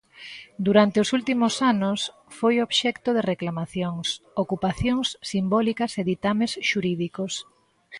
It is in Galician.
Durante os últimos anos foi obxecto de reclamacións, ocupacións simbólicas e ditames xurídicos.